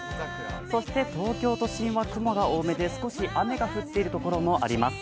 そして東京都心は雲が多めで少し雨が降っているところもあります。